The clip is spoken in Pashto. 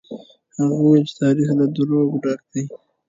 هغه وويل چې تاريخ له دروغو ډک دی.